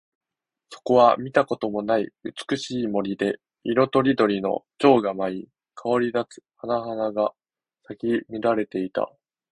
そこは見たこともない美しい森で、色とりどりの蝶が舞い、香り立つ花々が咲き乱れていた。